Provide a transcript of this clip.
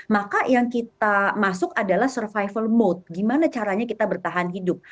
maka yang kita masuk adalah survival mode gimana caranya kita bertahan hidup